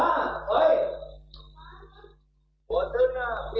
มีลูกอาถรรม